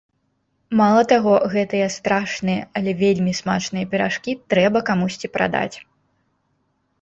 Мала таго, гэтыя страшныя, але вельмі смачныя піражкі трэба камусьці прадаць!